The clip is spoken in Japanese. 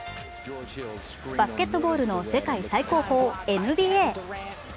バスケットボールの世界最高峰、ＮＢＡ。